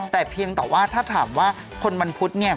แต่เพียงแต่ว่าถ้าถามว่าคนวันพุธเนี่ย